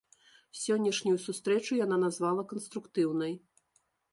Сённяшнюю сустрэчу яна назвала канструктыўнай.